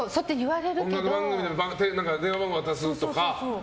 音楽番組で電話番号を渡されるとか。